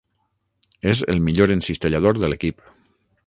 És el millor encistellador de l'equip.